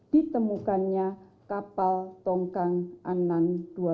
ditemukannya kapal tongkang anan dua belas